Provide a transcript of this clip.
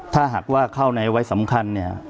ถ้าหากว่าเข้าในไว้สำคัญเนี่ย